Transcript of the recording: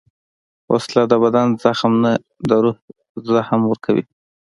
وسله د بدن زخم نه، د روح زخم ورکوي